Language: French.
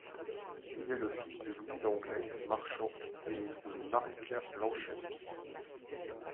Il est le fils de Louis Langlais, marchand, et de Marie-Claire Blanchet.